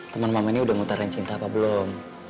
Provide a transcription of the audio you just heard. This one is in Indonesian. teman mama ini udah ngutarin cinta apa belum